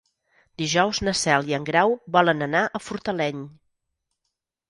Dijous na Cel i en Grau volen anar a Fortaleny.